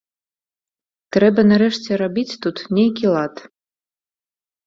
Трэба нарэшце рабіць тут нейкі лад.